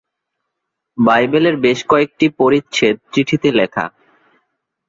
বাইবেলের বেশ কয়েকটি পরিচ্ছেদ চিঠিতে লেখা।